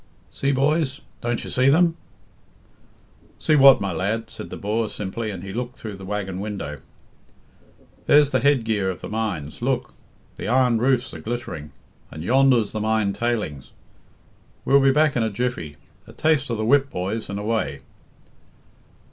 "See, boys? Don't you see them?" "See what, my lad?" said the Boer simply, and he looked through the waggon window. "There's the head gear of the mines. Look! the iron roofs are glittering. And yonder's the mine tailings. We'll be back in a jiffy. A taste of the whip, boys, and away!"